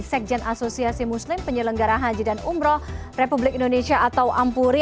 sekjen asosiasi muslim penyelenggara haji dan umroh republik indonesia atau ampuri